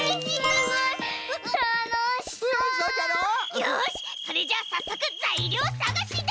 よしそれじゃあさっそくざいりょうさがしだ！